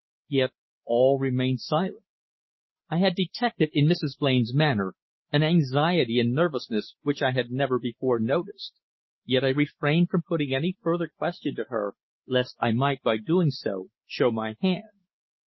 Yet all remained silent. I had detected in Mrs. Blain's manner an anxiety and nervousness which I had never before noticed, yet I refrained from putting any further question to her, lest I might, by doing so, show my hand.